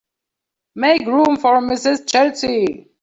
Make room for Mrs. Chelsea.